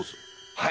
はい！